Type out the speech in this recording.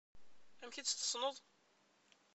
Amek i tt-tessneḍ?